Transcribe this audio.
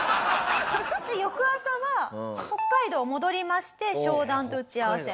翌朝は北海道戻りまして商談と打ち合わせ。